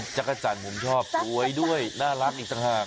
จักรจันผมชอบสวยด้วยน่ารักอีกสักครั้ง